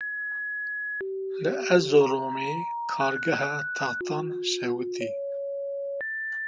Li Erzeromê kargeha textan şewitî.